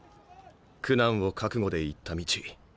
苦難を覚悟で行った道。